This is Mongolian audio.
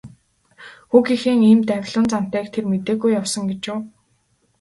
Хүүгийнхээ ийм давилуун зантайг тэр мэдээгүй явсан гэж үү.